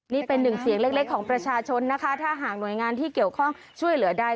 นี่เป็นหนึ่งเสียงเล็กของประชาชนนะคะถ้าหากหน่วยงานที่เกี่ยวข้องช่วยเหลือใด